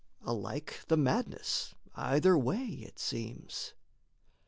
Alike the madness either way it seems.